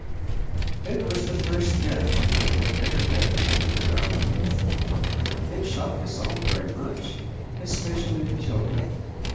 It was the first death that had ever happened under our roof. It shocked us all very much, especially the children.